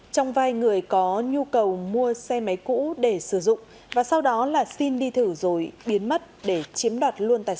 trong vai người có nhu cầu mua xe máy cũ để sử dụng và sau đó là xin đi thử rồi biến mất để chiếm đoạt